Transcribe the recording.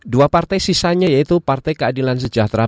dua partai sisanya yaitu partai keadilan sejahtera